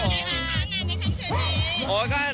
เป็นยังไงค่ะงานได้ทำเฉย